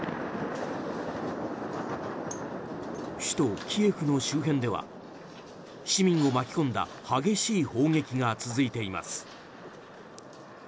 首都キエフの周辺では市民を巻き込んだ激しい砲撃が続いています。